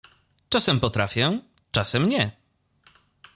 — Czasem potrafię, czasem nie…